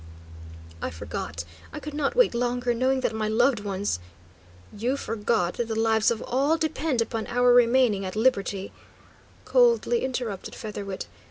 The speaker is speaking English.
"I forgot. I could not wait longer, knowing that my loved ones " "You forgot that the lives of all depend upon our remaining at liberty," coldly interrupted Featherwit.